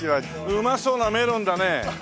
うまそうなメロンだね。